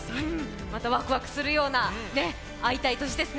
またわくわくするような、会いたい年ですね。